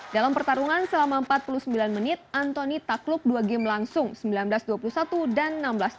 dalam pertarungan selama empat puluh sembilan menit anthony takluk dua game langsung sembilan belas dua puluh satu dan enam belas dua puluh